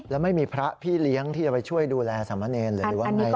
แล้วไม่มีพระพี่เลี้ยงที่จะไปช่วยดูแลสามเณรหรือว่าไง